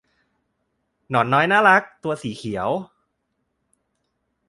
หนอนน้อยน่ารักตัวสีเขียว